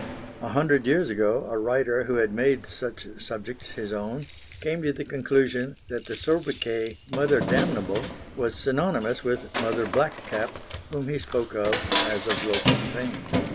A hundred years ago a writer who had made such subjects his own, came to the conclusion that the soubriquet Mother Damnable was synonymous with Mother Black Cap whom he spoke of as of local fame.